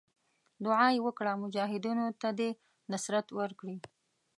دعا یې وکړه مجاهدینو ته دې نصرت ورکړي.